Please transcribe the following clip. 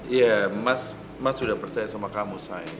iya mas mas udah percaya sama kamu sayang